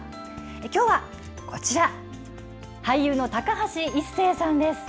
きょうはこちら、俳優の高橋一生さんです。